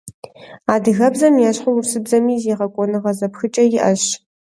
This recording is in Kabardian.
Адыгэбзэм ещхьу урысыбзэми зегъэкӏуэныгъэ зэпхыкӏэ иӏэщ.